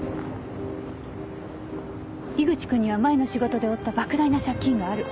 井口君には前の仕事で負った莫大な借金がある。